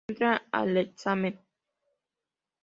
No entra al examen.